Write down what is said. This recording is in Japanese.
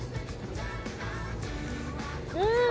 うん！